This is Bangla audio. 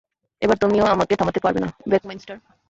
এবার তুমিও আমাকে থামাতে পারবে না, বাকমাইনস্টার।